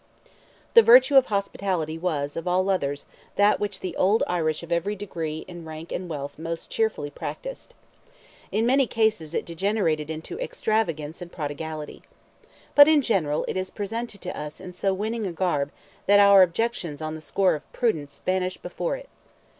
The virtue of hospitality was, of all others, that which the old Irish of every degree in rank and wealth most cheerfully practised. In many cases it degenerated into extravagance and prodigality. But in general it is presented to us in so winning a garb that our objections on the score of prudence vanish before it.